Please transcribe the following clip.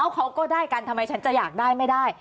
เขาก็ได้กันทำไมฉันจะอยากได้ไม่ได้